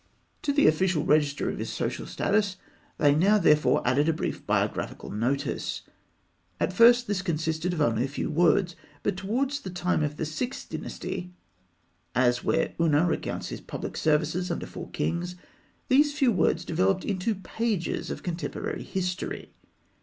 To the official register of his social status, they now therefore added a brief biographical notice. At first, this consisted of only a few words; but towards the time of the Sixth Dynasty (as where Ûna recounts his public services under four kings), these few words developed into pages of contemporary history.